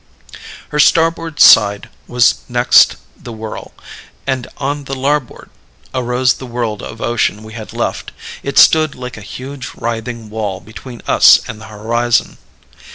"Her starboard side was next the whirl, and on the larboard arose the world of ocean we had left. It stood like a huge writhing wall between us and the horizon.